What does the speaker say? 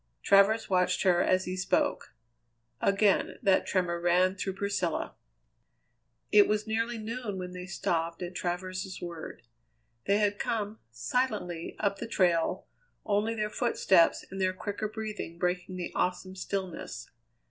Travers watched her as he spoke. Again that tremor ran through Priscilla. It was nearly noon when they stopped, at Travers's word. They had come, silently, up the trail, only their footsteps and their quicker breathing breaking the awesome stillness.